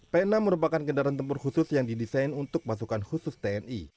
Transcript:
p enam merupakan kendaraan tempur khusus yang didesain untuk pasukan khusus tni